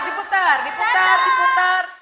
diputar diputar diputar